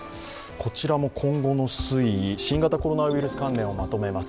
こちらも今後の推移、新型コロナウイルス関連をまとめます。